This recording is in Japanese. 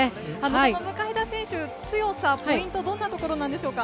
その向田選手、強さ、ポイント、どんなところなんでしょうか。